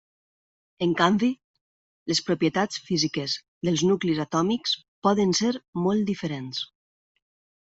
En canvi, les propietats físiques dels nuclis atòmics poden ser molt diferents.